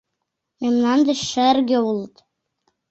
Мемнан деч шерге улыт.